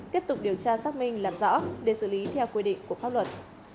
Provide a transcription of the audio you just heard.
tiếp tục điều tra xác minh làm rõ để xử lý theo quy định của pháp luật